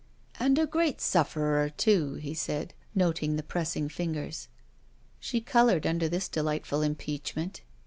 "And a great sufferer, too," he said, noting the pressing fingers. She colored tmder this delightful impeachment.